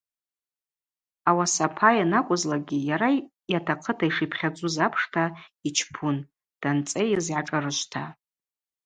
Ауаса апа йанакӏвызлакӏгьи йара йатахъыта йшипхьадзуз апшта йчпун данцӏейыз йгӏашӏарышвта.